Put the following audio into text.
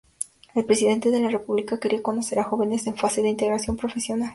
El presidente de la República quería conocer a jóvenes en fase de integración profesional.